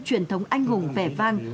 truyền thống anh hùng vẻ vang